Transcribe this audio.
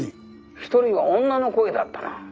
「１人は女の声だったな」